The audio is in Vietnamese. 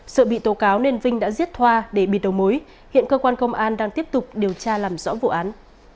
sợ bị tố cáo nên vinh đã giết thoa để bịt đầu mối hiện cơ quan công an đang tiếp tục điều tra làm rõ vụ án